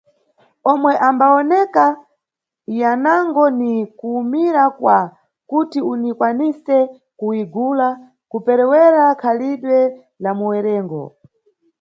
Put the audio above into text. Yomwe yambawoneka yanango ni kuwumira kwa kuti uniyikwanise kuyigula, kuperewera khalidwe la muwerengo.